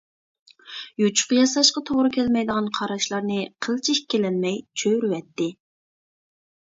يوچۇق ياساشقا توغرا كەلمەيدىغان قاراشلارنى قىلچە ئىككىلەنمەي چۆرۈۋەتتى.